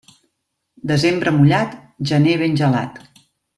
Desembre mullat, gener ben gelat.